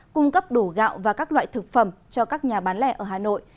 cung cấp đủ gạo và các loại thực phẩm cho các nhà bán lẻ ở hà nội